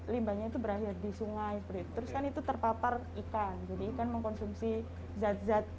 limbahnya itu berakhir di sungai terus kan itu terpapar ikan jadi ikan mengkonsumsi zat zat